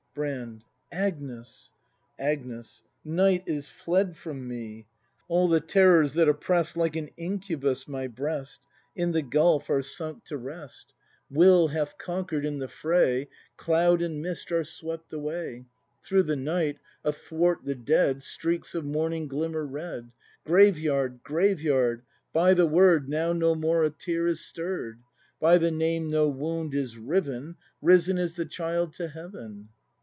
Brand. Agnes ! Agnes. Nicrht is fled from me! All the terrors that oppress'd Like an incubus my breast. In the gulf are sunk to rest! ACT IV] BRAND 209 Will hath conquer'd in the fray, Cloud and mist are swept away; Through the night, athwart the Dead, Streaks of morning glimmer red. Graveyard! Graveyard! By the word Now no more a tear is stirr'd; By the name no wound is riven, Risen is the child to heaven!